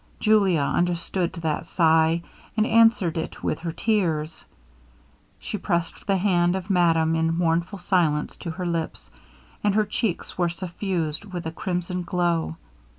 Julia understood that sigh, and answered it with her tears. She pressed the hand of madame in mournful silence to her lips, and her cheeks were suffused with a crimson glow.